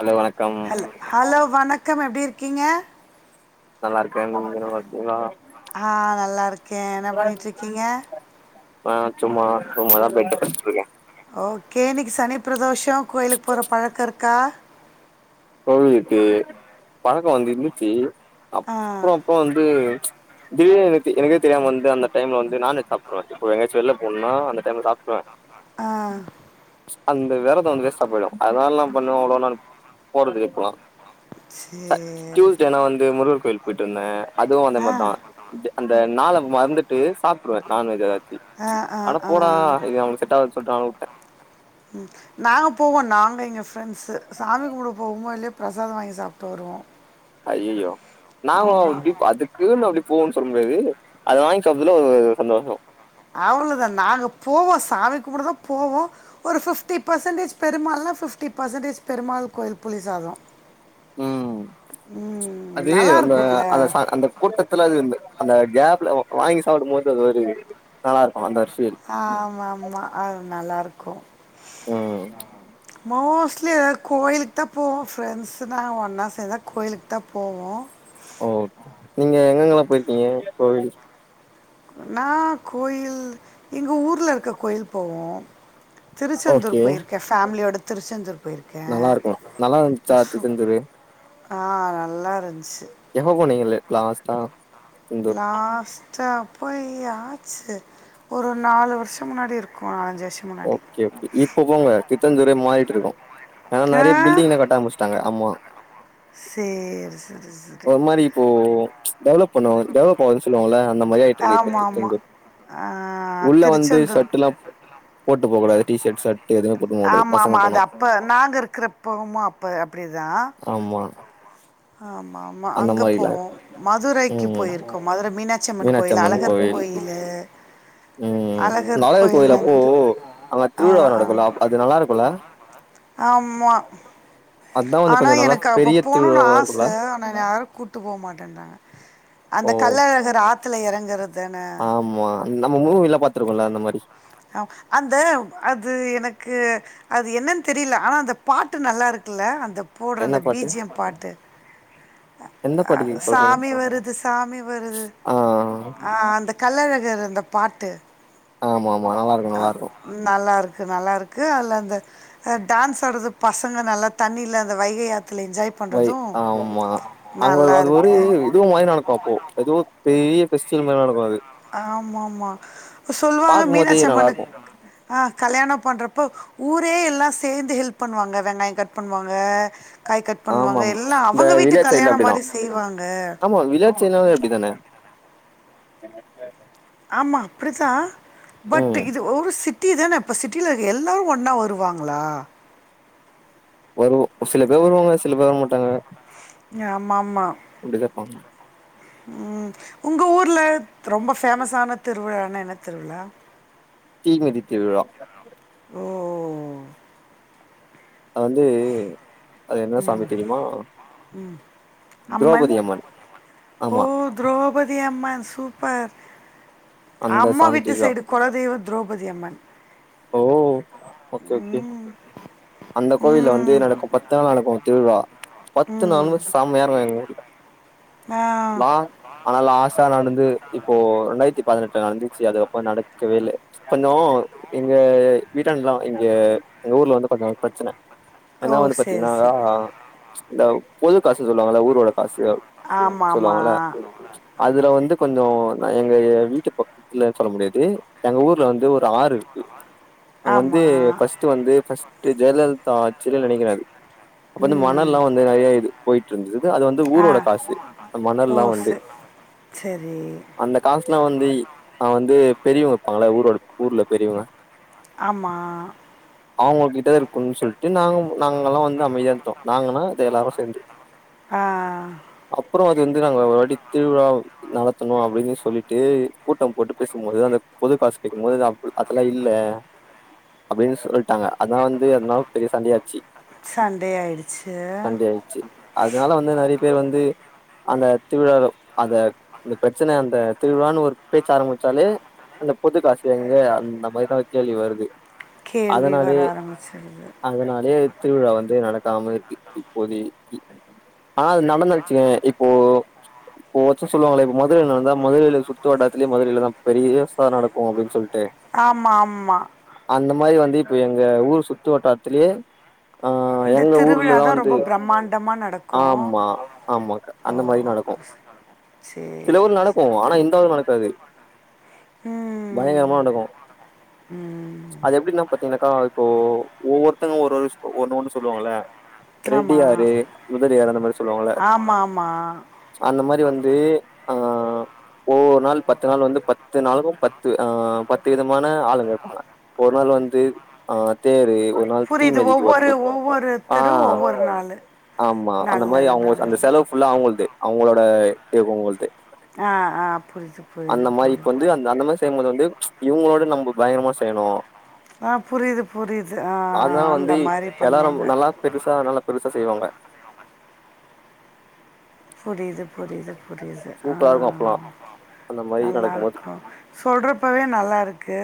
ஆலோ வணக்கம் hello hello வணக்கம் எப்டி இருக்கீங்க நல்லார்க்கே இங்க நல்லார்க்கீங்களா ஆ நல்லா இருக்கே என்ன பண்ணிட்டு இருக்கீங்க ஆ ச்சும்மா தூங்க தா போய்ட்ருக்க ட்ருக்கே ஓகே இன்னிக்கி சனி ப்ரதோஷோ கோயில்க் போற பழக்க இருக்கா கழுவிட்டு பழக்கோ வந்து இருந்துச்சி ஆ அப்றோ அப்போ வந்து திடீர்னு எனக் எனக்கே தெரியாம வந்து அந்த டைம்ல வந்து நான்வெஜ் சாப்ருவே இப்ப எங்கயாச்சு வெள்ள போனுனா அந்த டைம்ல சாப்டுருவே ஆ அந்த விரதோ வந்து வேஸ்டா போய்டு அதனால நா என்ன பண்ணுவே அவ்ளோ நா போறது இப்பலா சேரி டியூஸ்டேனா வந்து முருகர் கோயில் போய்ட்ருந்தே அதுவு அந்த ஆ மார்தா அந்த நாள மறந்துட்டு சாப்ட்ருவே நான்வெஜ் எதாச்சி ஆ ஆ ஆ போடா இது நம்ளுக்கு செட்டாகாது சொல்ட்டு நானு வுட்ட ம் நாங்க போவோ நாங்க எங்க ஃப்ரெண்ஸு சாமி கும்புட போவோமோ இல்லயோ பிரசாத வாங்கி சாப்ட்டு வருவோ அய்யயோ நாங்களு ஆமா இப்டி அதுக் குன் அப்டி போன் சொல் முடியாது அத வாங்கி சாப்றதுல ஒரு ஓரு சந்தோஷ அவ்ளதா நாங்க போவோ சாமி கும்புட தா போவோ ஒரு ஃபிப்டி பர்சன்டேஜ் பெருமாள்னா ஃபிப்டி பர்சன்டேஜ் பெருமாள் கோயில் புளி சாதோ ம் ம் அது நல்லா அந்த அந்த இருக்குல்ல சா அந்த கூட்டத்துல அது இந்த அந்த கேப்ல வாங்கி சாப்டு போது அது ஒரு நல்லா இருக்கு அந்த ஒரு ஃபீல் ஆமாமா அது நல்லா இருக்கு ம் மோஸ்ட்லி எதாவது கோயிலுக்தா போவோ ஃப்ரெண்ட்ஸுதா ஒன்னா சேந்தா கோயிலுக்தா போவோ ஓகே நீங்க எங்கெங்கலா போய்ருக்கீங்க கோவில் நா கோயில் எங்க ஊர்ல இருக்க கோயில் போவோ திருச்செந்தூர் ஓகே போய்ருக்கே ஃபேமிலியோட திருச்செந்தூர் நல்லா போயிருக்கேன் இருக்கு நல்லா இருந்துச்சா சு- திருச்செந்தூரு ஆ நல்லா இருந்ச்சு எங்க போனீங்க லே லாஸ்ட்டா திருச்செந்தூர் லாஸ் சா போய் ஆச்சி ஒரு நாலு வருஷோ முன்னாடி இருக்கு அஞ்சி வருஷ் ஓகே ஓகே இப்ப போங்க திருச்செந்தூரே மாரிட்டு இருக்கு ஏனா ஆ நெறய பில்டிங்லா கட்ட ஆரமிச்சுட்டாங்க ஆமா சேரி சேரி ஒரு மாரி இப்போ டெவலப் பண்ணுவாங்க டெவலப் போவாத சொல்லு வாங்கள்ள அந்த மாரி ஆய்ட்டு இருக்கு இப்ப ஆமா ஆமா திர்செந்தூர் ஆ உள்ள வந்து திருச்செந்தூர் சட்டுல்லா போட்டு போ கூடாது டிஷட் ஷட்டு எதுமே போட்டு ஆமா ஆமா அது அப்ப நாங்க இருக்கறப்பவுமா அப்ப அப்டிதா ஆமா ஆமா ஆமா அந்த அங்க மாரிலா போவோ மதுரைக்கு ம் போய்ருக்கோ மதுர மீனா ச்சி அம்மன் மீனாட்சி கோயில் அழகர் கோவில் கோயிலு ம் அழகர் நாளையர் கோயில் கோயிலப்போ வந்து அங்க ஆ திருவிழா ஆ நடக்குல்ல அப் அது நல்லாருக்குல்ல ஆமா அதா வந்து ஆனா கொஞ்சோ நல்லா எனக்கு அப்ப பெரிய போணுனு திருவிழாவா ஆச இருக்குல்ல ஆனா என்ன யாரு கூட்டு போ மாட்டன்றாங்க அந்த ஓ கள்ளழகர் ஆத்துல எறங்கறத் ஆமா நம்ம மூவிலா பாத்துருக்கோல அந்த மாரி ஆ அந்த அது எனக்கு அது என்னன் தெரியில ஆனா அந்த பாட்டு நல்லா இருக்கில்ல அந்த போட்ற என்ன அந்த பாட்டு பீஜியம் பாட்டு எந்த அ பாட்டுக்கு சொல்றீங்க சாமி வருது சாமி வருது ஆ ஆ அந்த கள்ளழகர் அந்த பாட்டு ஆமா ஆமா நல்லாருக்கும் அ நல்லாருக்கும் நல்லாருக்கு நல்லாருக்கு அதுல அந்த டான்ஸ் ஆடுறது பசங்க நல்லா தண்ணில அந்த வைகை ஆத்துல என்ஜாய் வை பண்றது ஆமா அங்க அது ஒரு நல்லாருக்கு இதுவு மாரி நடக்கும் அப்போ எதுவோ பெரிய ஃபெஸ்டிவல் மாரி நடக்கு அது ஆமா ஆமா சொல்லுவாங்க பாக்கும்போதே மீனாட்சி நல்லா அம்மன்க் இருக்கு ஆ கல்யாண பண்றப்போ ஊரே எல்லா சேந்து ஹெல்ப் பண்ணுவாங்க வெங்காயம் கட் பண்ணுவாங்க காய் கட் பண்ணுவாங்க ஆமாம் எல்லா இந்த அவங்க வீட்டு வில்லேஜ் சைட்ல கல்யாண மாரி செய்வாங்க வே அப்டிதான ஆமா அப்டிதான் பட் ம் இது ஒரு சிட்டி தான அப்ப சிட்டியில இருக்குற எல்லரும் ஒன்னா வருவாங்களா வரும் சில பேர் வருவாங்க சில பேர் வரமாட்டாங்க ஏன் அம்மா அம்மா அப்படிதா இருப்பாங்க உங்க ஊர்ல ரொம்ப பேமஸ்ஸான திருவிழான என்ன திருவிழா தீ மிதி திருவிழா ஓ அது வந்து அது என்ன சாமி தெரியுமா ம் திரௌபதி அம்மன் ஆமா திரௌபதி அம்மன் சூப்பர் அந்த அம்மா சாமி வீட்டு திருவிழா சைடு கொலதெய்வ திரௌபதி அம்மன் ஓ ஓகே ஓகே அந்த கோவில்ல வந்து ம் நடக்கு பத்து நாள் நடக்கும் திருவிழா பத்து ம் நாளுமே சமையா இருக்கு எங்க ஊர்ல ஆம் லாங் ஆனா லாஸ்ட்டா நடந்து இப்போ ரெண்டாயிரத்தி பதினெட்டுல நடந்துச்சு அதுக் அப்ற நடக்கவே இல்ல கொஞ்சோ எங்க வீட்டாண்டல்லா இங்க எங்க ஊர்ல வந்து பாத்தன்ன கொஞ்ச பிரச்சன ஓ ஏன்னா வந்து சரி பாத்தீங்கனா சரி இந்த பொது காசு சொல்லுவாங்கள ஊரோட காசு ஆமா மா சொல்லுவாங்கல்ல அதுல வந்து கொஞ்ஜோம் எங்க வீட்டு பக்க இல்ல சொல்ல முடியாது எங்க ஊர்ல வந்து ஒரு ஆறு இருக்கு அங்க வந்து ஆமாம் பர்ஸ்ட் வந்து பர்ஸ்ட் ஜெயலலிதா ஆச்சில நெனைக்கிறன் அப்ப வந்து மணல் ம் ல்லாம் வந்து நெறயா இது போயிட்டு இருந்தது அது வந்து ஆ ஊரோட காசு மணல்ல்லாம் வந்து சேரி அந்த காசுலாம் வந்து அது வந்து பெரியவங்க வைப்பாங்கள ஊரோட ஊர்ல பெரியவங்க ஆமா அவங்க கிட்ட இருக்குன்னும் சொல்லிட்டு நாங்க நாங்க ல்லாம் வந்து அமைதியா இருந்துடோம் நாங்கனா அது எல்லாரும் சேர்ந்து ஆ அப்புறம் அது வந்து நாங்க ஒரு வாட்டிதிருவிழா நடத்தணும் அப்டின்னு சொல்லிட்டு கூட்டம் போட்டு பேசும்போது அந்த பொது காசு கேட்கும் போது அதெல்லா இல்ல அப்டின்னு சொல்லிட்டாங்க அதான் வந்து அதுனால பெரிய சண்டையாச்சு சண்டை ஆயிடுச்சு சண்டையாயிடுச்சு ம் அதனால நெறைய பேர் வந்து அந்த திருவிழாவுல அந்த அந்த பிரச்சனை அந்த திருவிழான்னு ஒரு பேச்சு ஆரம்பிச்சாலே அந்த பொதுக்காசு எங்க அந்த மாதிரி தான் கேள்வி வருது கேள்வி வர அதனாலே ஆரம்பிச்சிருது அதனாலே திருவிழா வந்து நடத்தாம இருக்கு இப்போதைக்கு ஆ அது நடந்துருச்சுங்க இப்போ ஒவ்வொருத்தர் சொல்லுவாங்களே இப்ப மதுரையில நடந்தா மதுரையில சுத்து வட்டாரத்துலயே மதுரையிலதான் பெரிய விசா நடக்கும் அப்படின்னு சொல்லிட்டு ஆமா ஆமா அந்த மாதிரி வந்து இப்போ எங்க ஊர் சுற்று வட்டாரத்துலயே அ எங்க ஊர்ல தான் வந்து பிரம்மாண்டமா நடக்கும் ஆமா ஆமாக்கா அந்த மாதிரி நடக்கும் சேரி சேரி இந்த ஊர் நடக்காது பயங்கரமா நடக்கும் ம் அது எப்படின்னா பாத்தீங்கனாக்கா இப்போ ஒவ்வொருத்தவுங்க ஒரு ஒண்ணு ஒண்ணு சொல்லுவாங்கள ஆமா ரெட்டியாரு முதலியாரு அந்த மாதிரி சொல்லுவாங்கள ஆமா ஆமா அந்த மாதிரி வந்து அ ஒவ்வொரு நாள் பத்து நாள் வந்து பத்து நாளுக்கும் பத்து ஆ பத்து விதமான ஆளுங்க இருப்பாங்க ஒரு நாள் வந்து ஆ தேரு நாள் புரியுது தீமிதிக்கு ஒவ்வொரு ஒருத்தோ ஆ ஒவ்வொருத்தரும் ஒவ்வொரு நாளு ஆமா அந்த மாதிரி அவுங்க அந்த செலவு ஃபுல்லா அவுங்கள்து அவுங்களோட தேக்கும்வங்களது ஆ ஆ புரியுது புரியுது புரியுது வந்த அந்த மாரி செய்யும் போது வந்து இவுங்களோட நம்ம பயங்கரமா செய்யணும் ஆ புரியுது புரியுது ஆ அதனால ஆ அந்த வந்து மாதிரி எல்லாரு பண்ணுவாங்க நல்லா பெருசா நல்லா பெருசா செய்வாங்க புரியுது புரியுது புரியுது ஆ சூப்பரா இருக்கு அப்பல்லா அந்த மாரி நல்லா நடக்கும்போது இருக்கும் சொல்றப்பவே நல்லா இருக்கு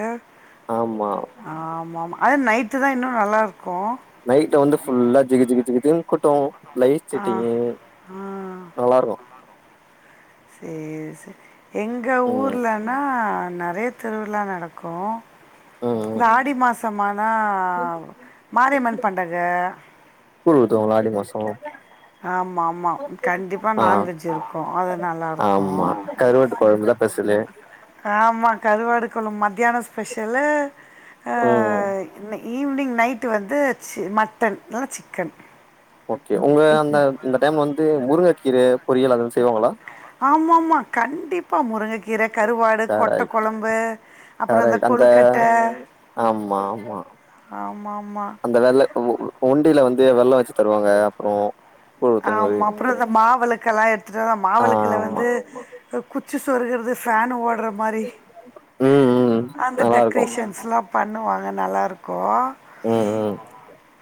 ஆமா ஆமா ஆமா அது நைட்டு தான் இன்னும் நல்லா இருக்கும் நைட் வந்து ஃபுல்லா ஜிகி ஜிகி ஜிகி ஜிகின் கூட்டம் லைட் ஆ செட்டிங்கு ஆ நல்லா இருக்கும் சேரி சேரி எங்க ம் ஊர்லன்னா நிறைய திருவிழா நடக்கும் ம் ம் இந்த ஆடி மாசம் ஆனா மாரியம்மன் பண்டக கூழ் ஊத்துவாங்கள அடி மாசம் ஆமாம் ஆமாம் கண்டிப்பாக ஆ நான்வெஜ் இருக்கும் அது ஆமா நல்லாயிருக்கும் கருவாட்டு குழம்புல பெசலு ஆமா கருவாடு குழம்பு மத்தியானம் ஸ்பெஷலு ம் ஈவினிங் நைட்டு வந்து சி மட்டன் இல்ல சிக்கன் ஓகே உங்க அந்த அந்த டைம்ல வந்து முருங்கைக்கீரை பொரியல் அது செய்வாங்களா ஆமா ஆமா கண்டிப்பா முருங்கைக்கீரை கருவாடு கொட்டை கரெக்ட் குழம்பு அப்புறம் இந்த கரெக்ட் அந்த கொழுக்கட்டை ஆமா ஆமா ஆமா ஆமா ஒண்டியில வந்து வெல்லம் வச்சு தருவாங்க அப்புறம் ஆமா அப்புறம் இந்த மாவிளக்கு எல்லாம் எடுத்துட்டோம் அ மாவிளக்குல ஆமா வந்து இந்த குச்சி சொருகூறது ஃபேன் ஓடுற மாதிரி ம் ம் அந்த நல்லா இருக்கு டெக்ரேஷன்ஸ்லாம் பண்ணுவாங்க நல்லா இருக்கும் ம் ம்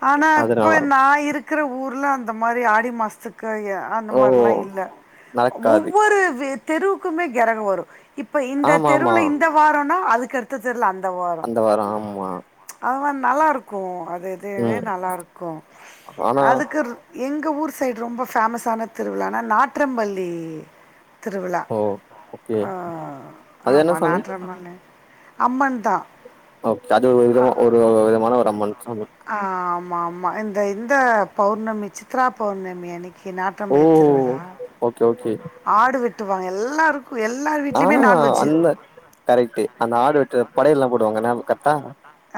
ஆனா அது இப்ப நல்லா நா இருக் குற ஊர்ல அந்த மாரி ஆடி மாசத்துக்கு எ அந்த ஓ மாரிலா இல்ல நடக்காது ஒவ்வொரு ந தெருவுக்குமே கெரகு வரு இப்ப இந்த ஆமா ஆமா தெருவுல இந்த வாரோனா அதுக்கடுத்த தெருல அந்த வாரோ அந்த ஆமா அதுத நல்லா இருக்கு அது இதுவே ம் நல்லா இருக்கு ஆனா அதுக்கு எங்க ஊர் சைடு ரொம்ப ஃபேமஸான திருவிழானா நாற்றும்பள்ளி திருவிழா ஓ ஓகே ஆ அது ஆமா என்ன சாமி நாற்றுமள்ளி அம்மன் தா ஓகே அது ஒரு விதமா ஒரு விதமான ஒரு அம்மன் சாமி ஆ ஆமா ஆமா இந்த இந்த பௌர்ணமி சித்ரா பௌர்ணமி அன்னைக்கு நாட் ஓ றம்பள்ளி திருவிழா ஓகே ஓகே ஆடு வெட்டுவாங்க எல்லாருக் கு எல்லா ஆ வீட்லயுமே நான்வெஜ்ஜு அந்த கரெக்ட்டு அந்த ஆடு வெட்டி படையல்லா போடுவாங்கள கரெட்டா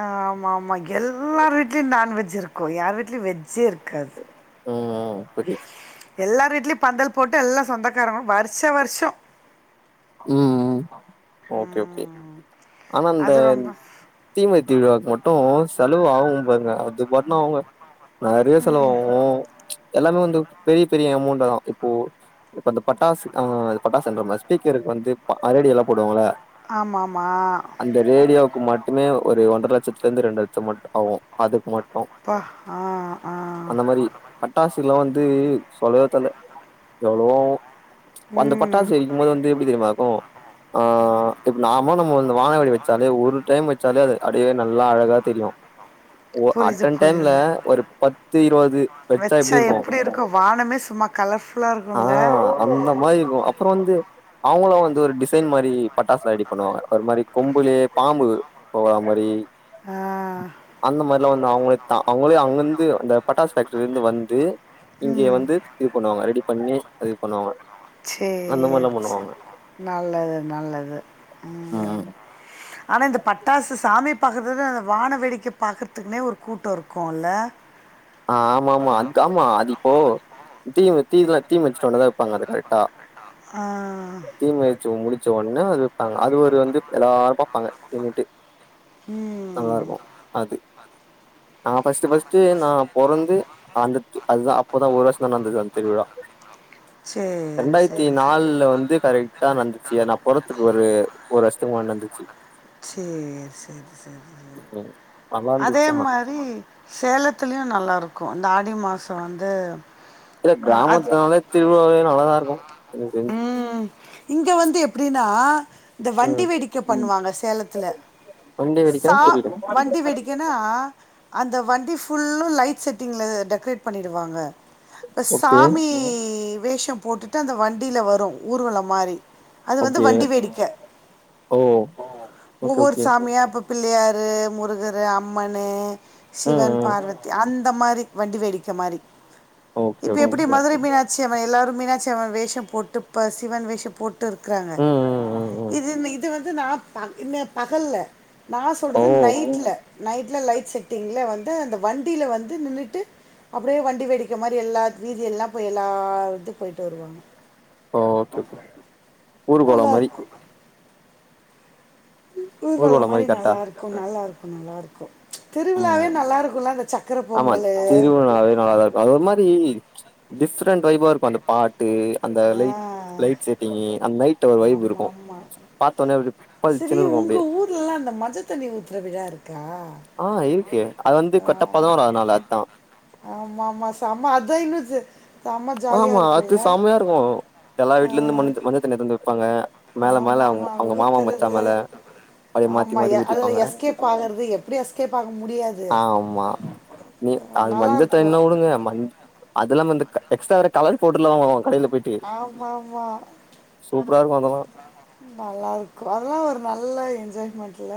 ஆ ஆமா ஆமா எல்லார் வீட்லயு நான்வெஜ் இருக்கு யார் வீட்லயு வெஜ்ஜே இருக்காது ஆ ஆ வெட்டி எல்லார் வீட்லயு பந்தல் போட்டு எல்லா சொந்தக்காரங்களு வருஷ வருஷொ ம் ஓகே ஓகே ம் ஆனா இந்த அது ரொம்ப தீமை திருவிழாவுக்கு மட்டு செலவு ஆகு பாருங்க அது பாட்டுனா அவங்க நெறைய செலவாவு எல்லாமே வந்து பெரிய பெரிய அமௌண்ட்டா தா இப்போ இப்ப அ பட்டாசு ஆ பட்டாசுன்ற பாரு ஸ்பி கருக்கு வந்து அரடி எல்லா போடுவாங்களே ஆமா ஆமா அந்த ஏரியாவுக்கு மட்டுமே ஒரு ஒன்றர லட்சத்துல இருந்து ரெண்டு லட்ச மட்டு ஆவு அதுக்கு மட்டு அப்பா ஆ ஆ அந்த மாரி பட்டாசு எல்லா வந்து சொல்லவே தேவல்ல எவ்ளோவு ஆவு அந்த ம் பட்டாசு வெடிக்கும்போது வந்து [unintelligible] மாகு ஆ இப்ப நாம நம்ம அந்த வானவெடி வெச்சாலே ஒரு டைம் வெச்சாலே அது அடியே நல்லா அழகா தெரியு ஓ புரியுது அட்டன் டைம்ல புரியுது ஒரு பத்து இருவது வெச்சா வச்சா எப்டி இருக்கு வானமே சும்மா கலர்ஃபுல்லா ஆ இருக்குல்ல அந்த மாரி இருக்கு அப்புறோ வந்து அவங்களு வந்து ஒரு டிசைன் மாரி பட்டாசு ரெடி பண்ணுவாங்க ஒரு மாரி கொம்புலே பாம்பு போற மாரி ஆ அந்த மாரில்லா வந்து அவங்களே த அவங்களே அங்க இருந்து அந்த பட்டாஸ் ஃபேக்ட்ரில இருந்து வந்து இங்கே ம் வந்து இது பண்ணுவாங்க ரெடி பண்ணி அது இது பண்ணுவாங்க அந்த சேர் மாரிலா செ பண்ணுவாங்க நல்லது நல்லது ம் ப் ஆனா இந்த பட்டாசு சா சாமி பாக்கறது விட அந்த வான வேடிக்கைய பாக்குறதுக்குனே ஒரு கூட்டோ இருக்குல்ல ஆ ஆமா ஆமா அத் ஆமா அது இப்போ தீ தீதா தீ முச்டோன தா வெப்பாங்க அது கரெக்டா ஆ தீ மிதிச்சு முடிச்ச ஒடனே அது வைப்பாங்க அது ஒரு வந்து எல்லாரு பாப்பாங்க என்னிட்டு ம் நல்லா இருக்கு அது நா ஃபஸ்ட்டு ஃபஸ்ட்டு நா பொறந்து அந்த தி அதுதா அப்பதா ஒரு வர்ஷதா நடந்தது அந்த திருவிழா சரி ரெண்டாயிரத்தி சரி சரி நால்ல வந்து கரெக்ட்டா நடந்துச்சு நா பொறத்துக்கு ஒரு ஒரு வர்ஷத்துக்கு முன்னாடி நடந்து ச்சு சேரி சேரி சேரி ம் நல்லா அதே இருந்துச்சு ஆனா மாரி சேலத்துலயு நல்லாருக்கு இந்த ஆடி மாசோ வந்து இல்ல அஹ், அது கிராமத்தனாலே திருவிழாவே நல்லாதாருக்கு எனக்கு தெரிஞ்சு இங்க வந்து எப்டின்னா இந்த வண்டி ம் வேடிக்க பண்ணுவாங்க சேலத்தல வண்டி வெடிக்கனா சா வண்டி புரியல வேடி கன்னா அந்த வண்டி ஃபுல்லு லைட் செட்டிங்ல டெக்கரேட் பண்ணிடுவாங்க இப்ப ஓகே சாமி வேஷோ போட்டுட்டு அந்த வண்டில வரு ஊர்வலோ மாரி அது வந்து ஓகே வண்டி வேடிக்க ஓ ஓகே ஒவ்வொரு ஓகே சாமியா அப்ப பிள்ளையாரு முருகரு அம்மன்னு ம் சிவன் ம் பார்வதி அந்த மாரி வண்டி வேடிக்க மாரி ஓகே இப்ப ஓகே எப்டி மதுரை மீனாட்சியம்மா எல்லாரு மீனாட்சியம்மா வேஷம் போ போட்டு ப்ப சிவன் வேஷோ போட்டு இருக்குறாங்க ம் ம் ம் ம் இது மே இது வந்து நா பகல்ல நா ஓ சொல்றது நைட்ல நைட்ல லைட் செட்டிங்ல வந்து அந்த வண்டில வந்து நின்னுட்டு அப்டே வண்டி வேடிக்க மாரி எல்லா வீதியெல்லா போய் எல்லா வீட்டுக் போய்ட்டு வருவாங்க ஓ ஓகே ஓகே ஊர்கோலம் மாரி நல்லாருக்கு ஊர்வலம் ஊர்கோலம் மாரி கரெக்டா நல்லா இருக்கு நல்லாருக்கு நல்லாருக்கு திருவிழாவே ம் நல்லா இருக்குல்ல அந்த சக்கர பொங்கலு அத ஒரு மாரி டிஃப்ரெண்ட் ஃவைபா இருக்கு அந்த பாட் ட்டு அந்த ஆ லைட் லைட் செட்டிங்கி அந்த நைட்ல ஒரு வைஃபு இருக்கு பாத்தோன்னே அப்டே செரி உங்க ஊர்லலா அந்த மஞ்ச தண்ணி ஊத்துற விழா இருக்கா ஆ இருக்கே அது வந்து ஆ கரட்டா பதினோராது நாள் அதா ஆமா ஆமா சம அதா இன்னு சே ஆமா அது சமயா இருக்கு எல்லா ஆ வீட்லேந்து மஞ் மஞ்ச தண்ணிய எத்து வந்து வைப்பாங்க மேல ஆமா மேல அவங் ஆமா அவங்க மாமா மச்சா ஊத்துறது மேல அப்டியே மாத்தி ஆமா எ மாத்தி அதுல ஊத்திப்பாங்க எஸ்கேப் ஆகுறது எப்டி எஸ்கேப் ஆக முடியாது ஆமா நீ ஆ, அது நல்லா மஞ்ச இருக்கு தண்ணிலா உடுங்க மஞ் அதுலாம இந்த க எக்ஸ்ட்ரா வேற கலர் பவுட்ருலா வாங்குவாங்க கடை ஆமா ஆமா இருக்கு அதெல்லா நல்லாருக்கு அதலா ஒரு நல்ல என்ஜாய்மெண்ட்ல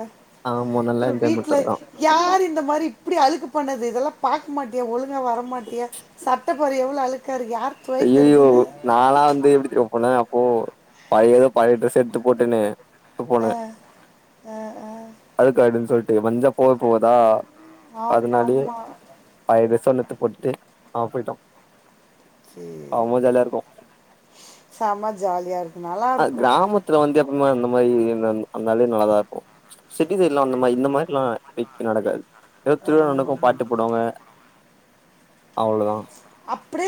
ஆமா நல்லா அப்றோ என்ஜாய்மெண்ட் வீட்ல அதெல்லா இ யாரு இந்த மாரி இப்டி அழுக்கு பண்ணது இதெலா பாக்க மாட்டியா ஒழுங்கா வரமாட்டியா ச ட்ட பாரு எவ்ளோ அழுக்காருக்கு யார் ஐயையோ துவைக்கரதுனு நாலா வந்து எப்டி தெரிமா போனே அப்போ பழையதோ பழைய ட்ரெஸ் எடுத்து போட்டுனு போனே ஆ, ஆ, ஆ. அழுக்கு ஆயிடுன் சொல்ட்டு மஞ்ச போவே போகாதா ஆமா அதுனாலே ஆமா பழைய டிரஸ் ஒன்ன எடுத்து போட்டுட்டு அவ போயிட்டா அவே ரொம்ப ஜாலியா இருக்கு சம ஜாலியாருக் அ கிராமத்துல வந்து எப்பவுமே அந்த மாரி [unintelligible] இருந்தாலே நல்லாதாருக்கு சிட்டி சைட்லா இந்த மாரி இந்த மாரிலா [unintelligible] நடக்காது எதோ திருவிழா ஆமா நடக்கு ஆமா பாட்டு போடுவாங்க அவ்ளோதா அப்டே